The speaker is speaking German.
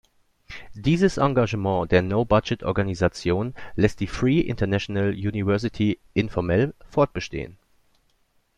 Dieses Engagement der No Budget Organisation lässt die Free international University informell fortbestehenden.